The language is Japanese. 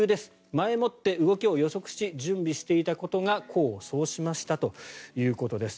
前もって動きを予測し準備していたことが功を奏しましたということです。